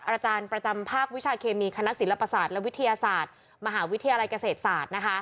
อาจารย์ประจำภาควิชาเคมีคณะศิลปศาสตร์และวิทยาศาสตร์มหาวิทยาลัยเกษตรศาสตร์นะคะ